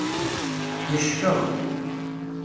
Yeckeḍ.